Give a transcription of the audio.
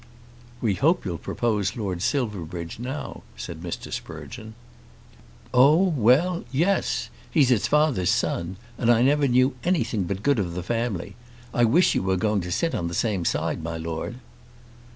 "We hope you'll propose Lord Silverbridge now," said Mr. Sprugeon. "Oh; well; yes. He's his father's son, and I never knew anything but good of the family. I wish you were going to sit on the same side, my Lord."